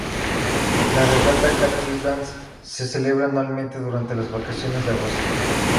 La regata "Cat Island" se celebra anualmente, durante las vacaciones de agosto.